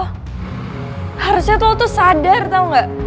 harusnya lo tuh sadar tau gak